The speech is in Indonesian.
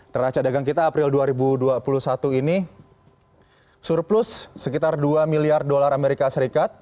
neraca dagang kita april dua ribu dua puluh satu ini surplus sekitar dua miliar dolar amerika serikat